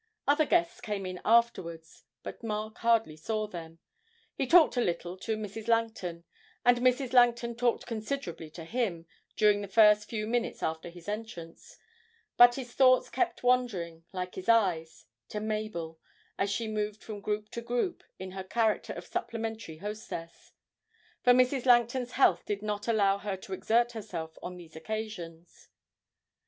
Other guests came in afterwards, but Mark hardly saw them. He talked a little to Mrs. Langton, and Mrs. Langton talked considerably to him during the first few minutes after his entrance, but his thoughts kept wandering, like his eyes, to Mabel as she moved from group to group in her character of supplementary hostess, for Mrs. Langton's health did not allow her to exert herself on these occasions.